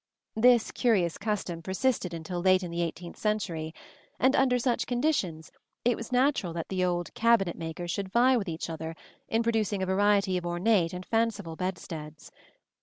This curious custom persisted until late in the eighteenth century; and under such conditions it was natural that the old cabinet makers should vie with each other in producing a variety of ornate and fanciful bedsteads.